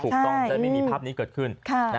ถูกต้องจะไม่มีภาพนี้เกิดขึ้น